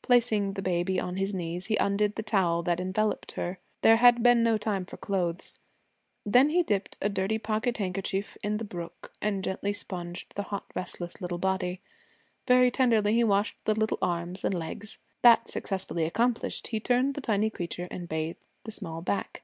Placing the baby on his knees he undid the towel that enveloped her. There had been no time for clothes. Then he dipped a dirty pocket handkerchief in the brook and gently sponged the hot, restless little body. Very tenderly he washed the little arms and legs. That successfully accomplished, he turned the tiny creature and bathed the small back.